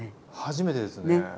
初めてですね。